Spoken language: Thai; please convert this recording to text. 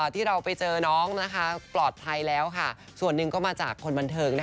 ที่เราไปเจอน้องปลอดภัยแล้วค่ะส่วนหนึ่งก็มาจากคนบันเทิง